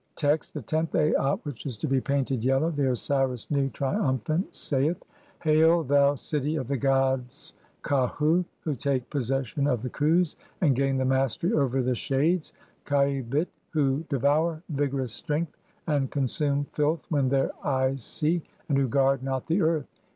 Text : (1) The tenth Aat [which is to be painted] yellow. The Osiris Nu, triumphant, saith :— (2) "Hail, thou city of the gods Qahu, who take possession of "the Khus and gain the mastery over the shades (khaibit), who "devour vigorous strength (3) and consume (?) filth when their "eyes see, and who guard not the earth.